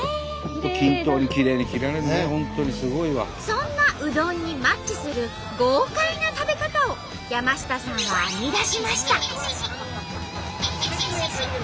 そんなうどんにマッチする豪快な食べ方を山下さんは編み出しました。